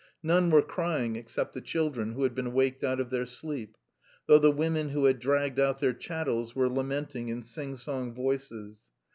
None were crying except the children, who had been waked out of their sleep, though the women who had dragged out their chattels were lamenting in sing song voices.